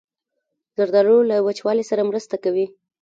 زردالو له وچوالي سره مرسته کوي.